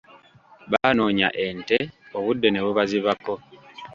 Baanoonya ente, obudde ne bubazibako.